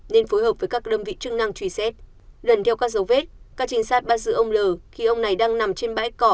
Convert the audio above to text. nên phối hợp với các đơn vị chức năng truy xét lần theo các dấu vết các trinh sát bắt giữ ông l khi ông này đang nằm trên bãi cỏ